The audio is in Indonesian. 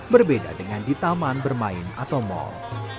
berbeda dengan di taman bermain atau mal